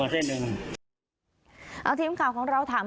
พี่ยืดลายมาพอก็ถูกแล้วก็ถูกแล้วก็ถูก